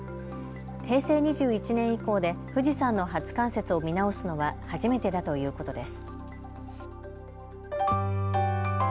平成２１年以降で富士山の初冠雪を見直すのは初めてだということです。